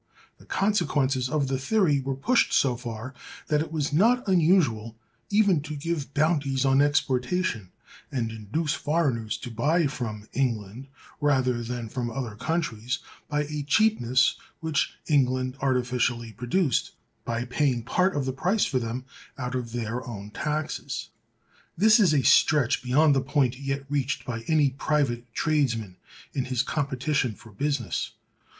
The consequences of the theory were pushed so far that it was not unusual even to give bounties on exportation, and induce foreigners to buy from [England] rather than from other countries by a cheapness which [England] artificially produced, by paying part of the price for them out of [their] own taxes. This is a stretch beyond the point yet reached by any private tradesman in his competition for business.